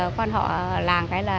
quan họ ở làng